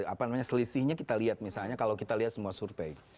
apa namanya selisihnya kita lihat misalnya kalau kita lihat semua survei